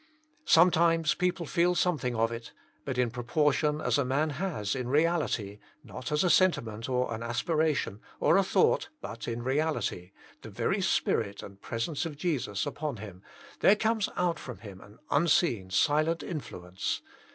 Sometimes people feel something of it j but in proportion as a man has in reality, not as a sentiment or an as piration, or a thought^ but in reality, the very spirit and presence of Jesus upon him, there comes out from him Je%uB Himself. 51 an unseen silent influence.